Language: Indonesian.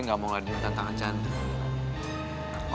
gak mau ngeladani tantangan chandra